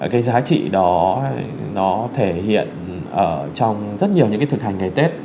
cái giá trị đó nó thể hiện ở trong rất nhiều những cái thực hành ngày tết